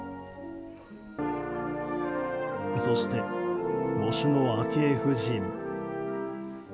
そして喪主の昭恵夫人。